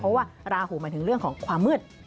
เพราะว่าราหูหมายถึงเรื่องของความมืด